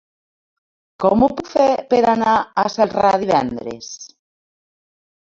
Com ho puc fer per anar a Celrà divendres?